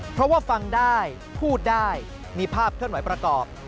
เพราะว่าฟังได้พูดได้มีภาพเคลื่อนไหวประกอบ